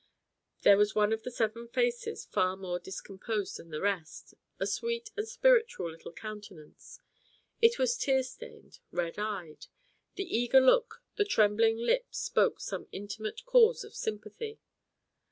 There was one of the seven faces far more discomposed than the rest, a sweet and spiritual little countenance; it was tear stained, red eyed; the eager look, the trembling lips spoke some intimate cause of sympathy.